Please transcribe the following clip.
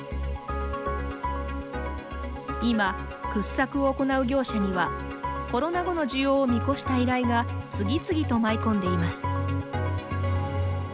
今掘削を行う業者にはコロナ後の需要を見越した依頼が次々と舞い込んでいます。